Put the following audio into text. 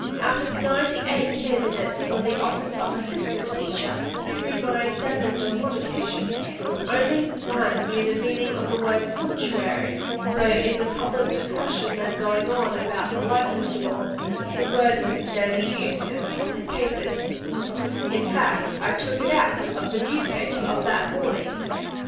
Out of ninety eight candidates for the office of assistant teacher, whom I examined on one occasion, only one knew the meaning of the word "sumptuary," although in the public discussion then going on about the license law, the word was in daily use in the public papers; in fact, I took it out of the newspaper of that morning.